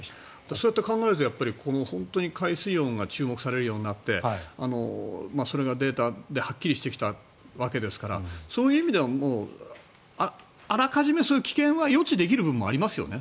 そう考えると本当に海水温が注目されるようになってそれがデータではっきりしてきたわけですからそういう意味ではあらかじめそういう危険は予知できる部分もありますよね。